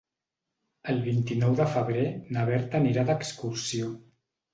El vint-i-nou de febrer na Berta anirà d'excursió.